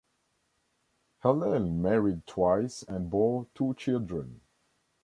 Helene married twice and bore two children.